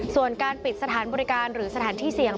ส่วนการปิดสถานบริการหรือสถานที่เสี่ยง